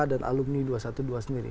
dan alumni dua ratus dua belas sendiri